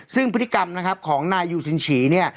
ซึ่งพฤติกรรมนะครับของนายยูชินฉีเนี่ย